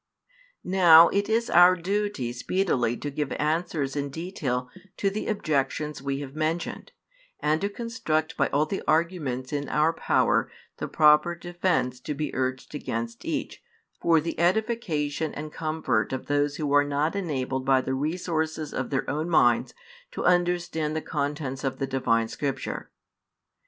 Now it is our duty speedily to give answers in detail to the objections we have mentioned, and to construct by all the arguments in our power the proper defence to be urged against each, for the edification and comfort of those who are not enabled by the resources of their own minds to understand the contents of the Divine Scripture.